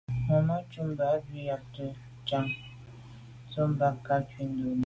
Màmá cúp mbə̌ bū jáptə́ cāŋ tɔ̌ bā ŋká ndɔ̌lī.